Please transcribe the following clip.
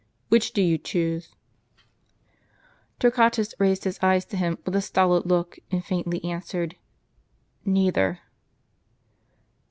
Which do you choose ?" Torquatus raised his eyes to him, with a stolid look, and faintly answered, "Neither."